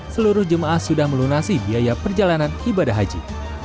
seluruh jemaah sudah melunasi biaya perjalanan ibadah haji